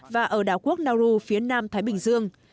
và ở đảo quốc nau phía nam thái bình dương